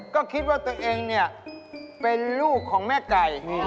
ก็คิดว่าตัวเองเนี่ยเป็นลูกของแม่ไก่